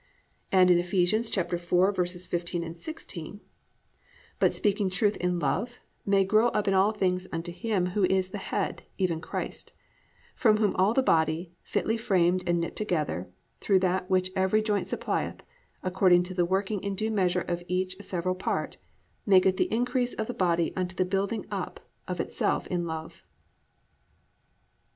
"+ And in Eph. 4:15, 16, +"But speaking truth in love, may grow up in all things unto him, who is the head, even Christ; from whom all the body fitly framed and knit together through that which every joint supplieth, according to the working in due measure of each several part, maketh the increase of the body unto the building up of itself in love."